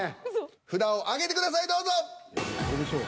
札を挙げてくださいどうぞ！